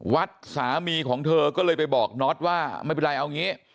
วัดสามีของเธอก็เลยไปบอกน็อตว่าไม่เป็นไรเอางี้